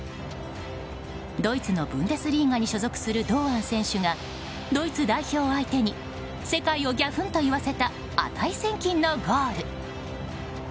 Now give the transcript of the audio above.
ドイツのブンデスリーガに所属する堂安選手がドイツ代表相手に世界をぎゃふんと言わせた値千金のゴール。